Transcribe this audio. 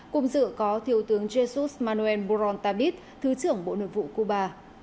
cùng dựa có thiếu tướng jesus manuel morón tabit thứ trưởng bộ nội vụ cuba